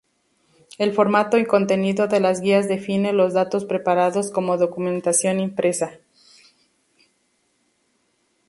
El formato y contenido de las guías define los datos preparados como documentación impresa.